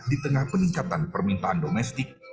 di tengah peningkatan permintaan domestik